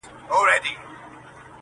ستا د خولې اب زمزم تنده تنده مېکده